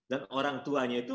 dan orang tuanya itu